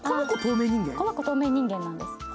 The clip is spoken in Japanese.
この子、透明人間なんです。